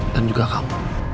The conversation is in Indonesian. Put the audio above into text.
dan juga kamu